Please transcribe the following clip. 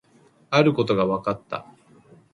あることが分かった